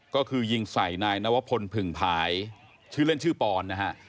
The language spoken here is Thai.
ก็คือยิงใส่นายนวพลผึ่งผายชื่อเล่นชื่อปอนนะฮะ